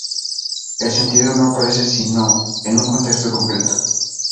El sentido no aparece sino en un contexto concreto.